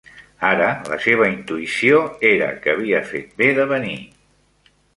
Ara la seva intuïció era que havia fet bé de venir.